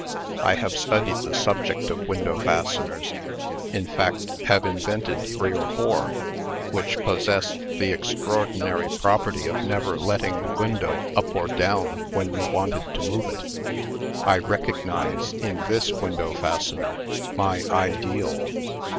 I have studied the subject of window fasteners in fact, have invented three or four, which possessed the extraordinary property of never letting the window up or down when you wanted to move it. I recognize, in this window fastener, my ideal.